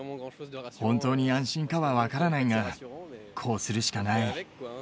本当に安心かは分からないが、こうするしかない。